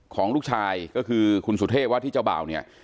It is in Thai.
ของลูกชายก็คือคุณสุเทพว่าที่เจ้าบ่าวเนี่ย